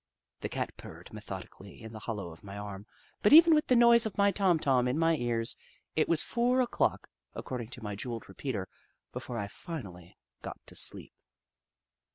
The Cat purred methodically in the hollow of my arm, but even with the noise of my Tom Tom in my ears, it was four o'clock, according to my jewelled repeater, before I finally got to sleep.